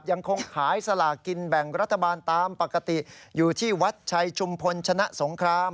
ยังคงขายสลากินแบ่งรัฐบาลตามปกติอยู่ที่วัดชัยชุมพลชนะสงคราม